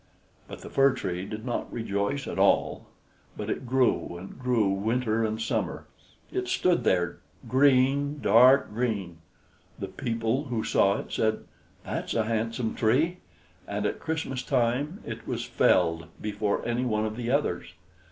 But the Fir Tree did not rejoice at all, but it grew and grew; winter and summer it stood there, green, dark green. The people who saw it said, "That's a handsome tree!" and at Christmas time it was felled before any one of the others.